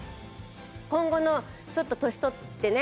今後のちょっと年取ってね